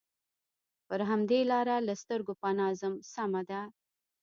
پر همدې لاره له سترګو پناه ځم، سمه ده.